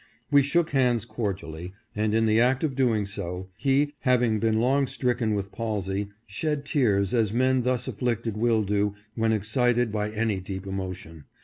We shook hands cordially, and in the act of doing so, he, having been long stricken with palsy, shed tears as men thus afflicted will do when excited by any deep emotion.